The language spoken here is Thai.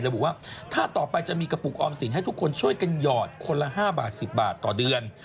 ระบุว่าถ้าต่อไปจะมีกระปุกออมสินให้ทุกคนช่วยกันหยอดคนละ๕บาท๑๐บาทต่อเดือน